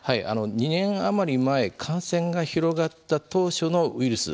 ２年余り前感染が広がった当初のウイルス